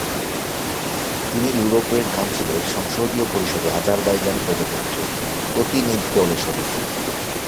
তিনি ইউরোপের কাউন্সিলের সংসদীয় পরিষদে আজারবাইজান প্রজাতন্ত্রের প্রতিনিধি দলের সদস্য।